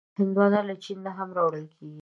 هندوانه له چین نه هم راوړل کېږي.